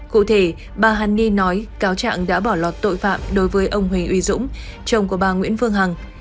cụ thể bà hani nói cáo trạng đã bỏ lọt tội phạm đối với ông huỳnh uy dũng chồng của bà nguyễn phương hằng